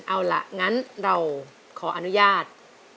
เอาล่ะงั้นเราขออนุญาต